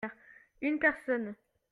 Une personne.